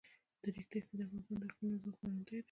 د ریګ دښتې د افغانستان د اقلیمي نظام ښکارندوی ده.